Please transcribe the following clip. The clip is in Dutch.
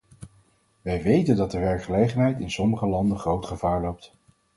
Wij weten dat de werkgelegenheid in sommige landen groot gevaar loopt.